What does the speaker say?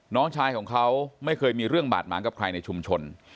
น้องชายของเขาไม่เคยมีเรื่องบาดหมางกับใครในชุมชน